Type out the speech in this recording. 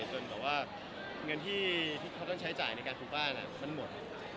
จนแบบว่าเงินที่เขาต้องใช้จ่ายในการปลูกบ้านมันหมด